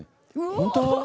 本当？